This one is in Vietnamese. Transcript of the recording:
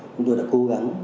chúng tôi đã cố gắng